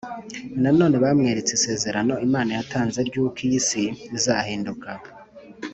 Nanone bamweretse isezerano Imana yatanze ry uko iyi si izahinduka